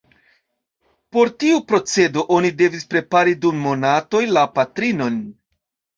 Por tiu procedo oni devis prepari dum monatoj la patrinon.